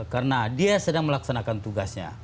karena dia sedang melaksanakan tugasnya